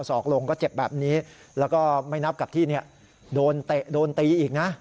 สอกลงก็เจ็บแบบนี้แล้วก็ไม่นับกับที่โดนตีอีกนะ